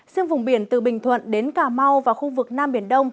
riêng vùng biển từ bình thuận đến cà mau và khu vực nam biển đông